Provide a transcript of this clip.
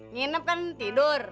nginep kan tidur